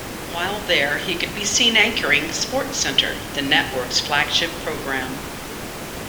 While there, he could be seen anchoring "SportsCenter", the network's flagship program.